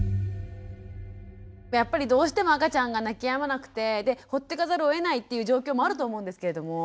やっぱりどうしても赤ちゃんが泣きやまなくてでほっとかざるをえないっていう状況もあると思うんですけれども。